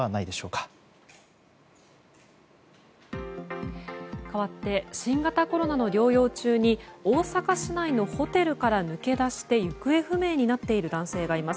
かわって新型コロナの療養中に大阪市内のホテルから抜け出して行方不明になっている男性がいます。